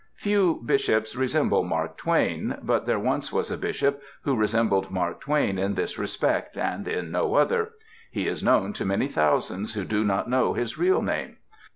Few Bishops resemble Mark Twain. But there once was a Bishop who resembled Mark Twain in this respect (and in no other) — he is known to many thousands who do not know his real name.